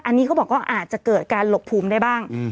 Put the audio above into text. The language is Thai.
อันนี้เขาบอกว่าอาจจะเกิดการหลบภูมิได้บ้าง